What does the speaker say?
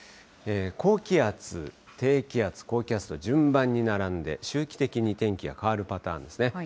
高気圧、低気圧、高気圧と順番に並んで、周期的に天気が変わるパターンですね。